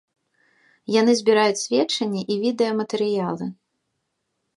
Яны збіраюць сведчанні і відэаматэрыялы.